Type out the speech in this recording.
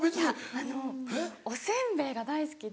あのおせんべいが大好きで。